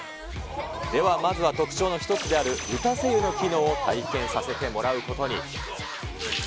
ではまずは特長の１つである打たせ湯の機能を体験させてもらうことに。